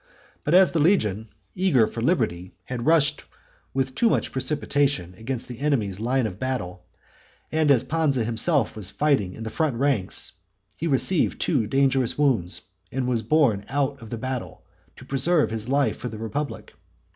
But as the legion, eager for liberty, had rushed with too much precipitation against the enemy's line of battle, and as Pansa himself was fighting in the front ranks, he received two dangerous wounds, and was borne out of the battle, to preserve his life for the republic.